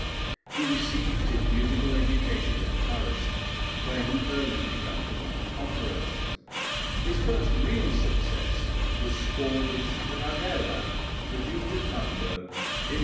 He received his musical education at Paris, where he early began to write operas. His first real success was scored with Stradella, produced at Hamburg in 1844.